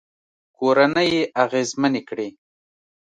کورنۍ يې اغېزمنې کړې